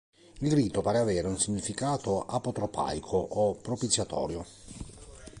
Il rito pare avere un significato apotropaico o propiziatorio.